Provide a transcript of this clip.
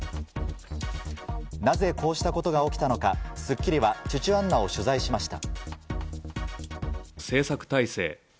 なぜこうしたことが起きたのか『スッキリ』はチュチュアンナを取材しました。